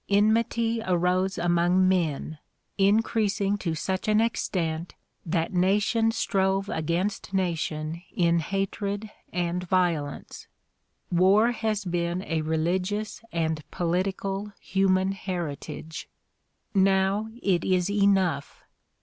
Enmity arose among men, increasing to such an extent that nation strove against nation in hatred and violence. AVar has been a religious and political human heritage. Now it is enough